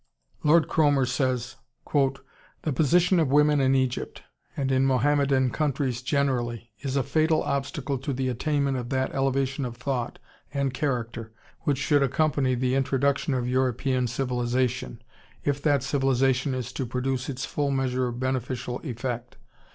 ] Lord Cromer says: "The position of women in Egypt, and in Mohammedan countries generally, is a fatal obstacle to the attainment of that elevation of thought and character which should accompany the introduction of European civilization, if that civilization is to produce its full measure of beneficial effect.